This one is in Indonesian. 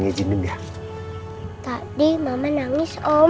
kita cari game yang lain lagi